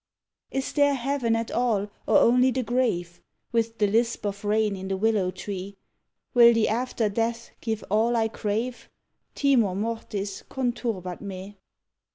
_ Is there heaven at all or only the grave With the lisp of rain in the willow tree, Will the after death give all I crave? _Timor mortis conturbat me.